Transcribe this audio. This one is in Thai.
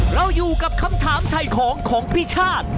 เราอยู่กับคำถามถ่ายของของพี่ชาติ